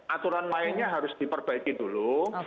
aturan mainnya harus diperbaiki dulu